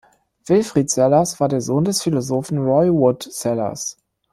Wilfrid Sellars war der Sohn des Philosophen Roy Wood Sellars.